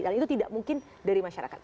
dan itu tidak mungkin dari masyarakat